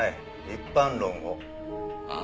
一般論を。